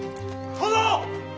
殿！